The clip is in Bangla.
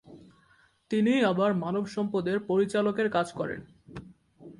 তিনিই আবার মানব সম্পদের পরিচালকের কাজ করেন।